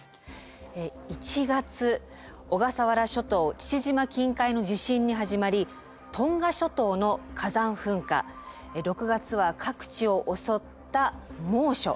父島近海の地震に始まりトンガ諸島の火山噴火６月は各地を襲った猛暑。